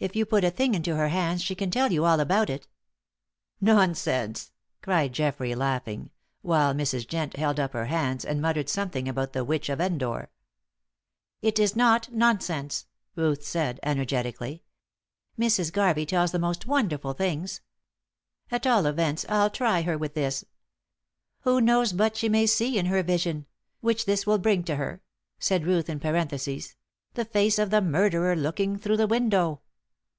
If you put a thing into her hands she can tell you all about it." "Nonsense!" cried Geoffrey, laughing, while Mrs. Jent held up her hands and muttered something about the Witch of Endor. "It is not nonsense," Ruth said, energetically. "Mrs. Garvey tells the most wonderful things. At all events I'll try her with this. Who knows but she may see in her vision which this will bring to her" said Ruth in parenthesis "the face of the murderer looking through the window."